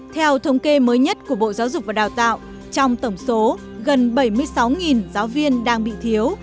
theo thống kê mới nhất của bộ giáo dục và đào tạo trong tổng số gần bảy mươi sáu giáo viên đang bị thiếu